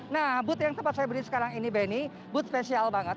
nah booth yang tempat saya beri sekarang ini benny booth spesial banget